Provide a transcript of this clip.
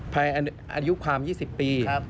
อายุความ๒๐ปี